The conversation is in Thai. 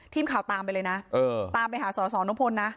ทีมข่าวตามไปเลยนะตามไปหาสอสอนุพลนะ